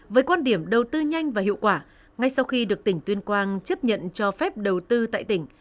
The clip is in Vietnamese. với quan điểm đầu tư nhanh và hiệu quả ngay sau khi được tỉnh tuyên quang chấp nhận cho phép đầu tư tại tỉnh